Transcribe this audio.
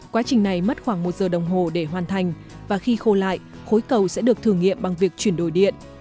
quá trình này mất khoảng một giờ đồng hồ để hoàn thành và khi khô lại khối cầu sẽ được thử nghiệm bằng việc chuyển đổi điện